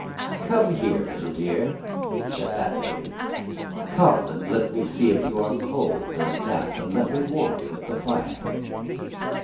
"Come here, little dear," said that lady. "Come and let me see if you are cold and damp: come and let me warm you at the fire."